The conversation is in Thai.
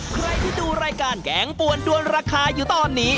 ใครที่ดูรายการแกงปวนด้วนราคาอยู่ตอนนี้